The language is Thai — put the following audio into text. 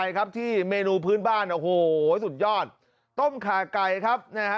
ครับที่เมนูพื้นบ้านโอ้โหสุดยอดต้มขาไก่ครับนะฮะ